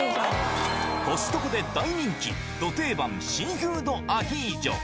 コストコで大人気、ド定番、シーフードアヒージョ。